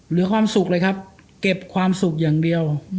เหลือความสุขเลยครับเก็บความสุขอย่างเดียว